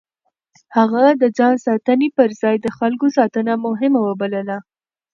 هغه د ځان ساتنې پر ځای د خلکو ساتنه مهمه بلله.